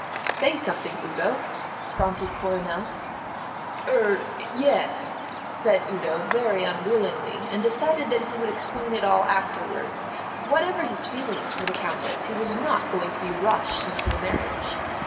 "Say something, Udo," prompted Coronel. "Er yes," said Udo, very unwillingly, and deciding he would explain it all afterwards. Whatever his feelings for the Countess, he was not going to be rushed into a marriage.